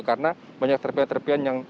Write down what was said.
karena banyak serpihan serpihan yang